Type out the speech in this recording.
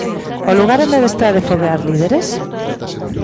O lugar onde adestrar e foguear líderes?